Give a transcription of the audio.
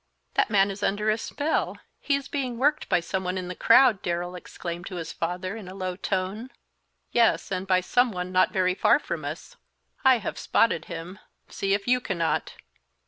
"That man is under a spell; he is being worked by some one in the crowd," Darrell exclaimed to his father, in a low tone. "Yes, and by some one not very far from us; I have spotted him, see if you cannot."